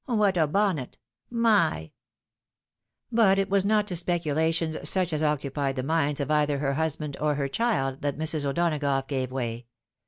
What a bonnet !— my !" But it was not to speculations such as occupied the minds of either her husband or her child that Mrs. O'Donagough gave way.